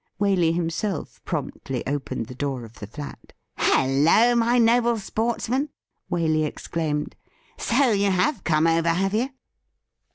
Waley himself promptly opened the door of the flat. ' Hello, my noble sportsman !' Waley exclaimed. ' So you have come over, have you